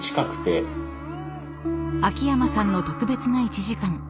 ［秋山さんの特別な１時間］